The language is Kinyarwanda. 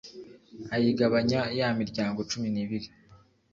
ayigabanya ya miryango cumi n’ibiri.